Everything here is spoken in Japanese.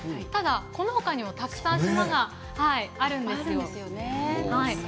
この他にもたくさん島があるんですよ。